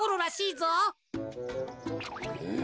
うん？